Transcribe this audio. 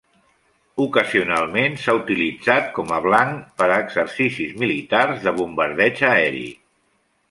Ocasionalment s'ha utilitzat com a blanc per a exercicis militars de bombardeig aeri.